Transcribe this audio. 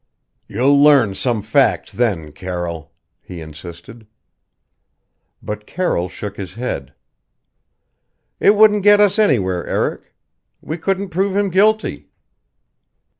"You'll learn some facts then, Carroll," he insisted. But Carroll shook his head. "It wouldn't get us anywhere, Eric. We couldn't prove him guilty."